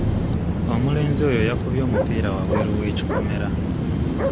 Omulenzi oyo yakubye omupiira wabweru w'ekikomera.